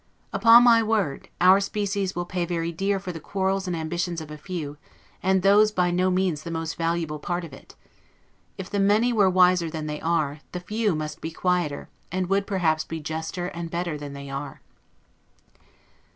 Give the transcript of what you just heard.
Upon my word, our species will pay very dear for the quarrels and ambition of a few, and those by no means the most valuable part of it. If the many were wiser than they are, the few must be quieter, and would perhaps be juster and better than they are.